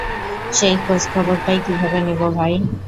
সেই খোঁজখবরটাই কীভাবে নেবো, ভাই?